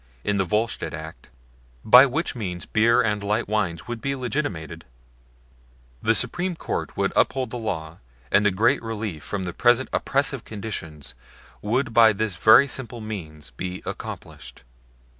in the Volstead act, by which means beer and light wines would be legitimated, the Supreme Court would uphold the law and a great relief from the present oppressive conditions would by this very simple means be accomplished.